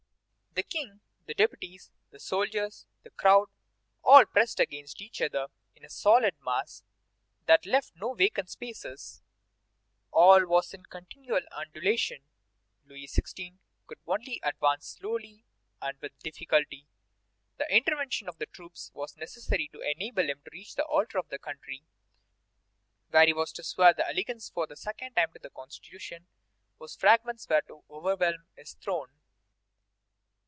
The King, the deputies, the soldiers, the crowd, all pressed against each other in a solid mass that left no vacant spaces; all was in continual undulation. Louis XVI. could only advance slowly and with difficulty. The intervention of the troops was necessary to enable him to reach the Altar of the Country, where he was to swear allegiance for the second time to the Constitution whose fragments were to overwhelm his throne.